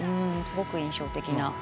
すごく印象的な。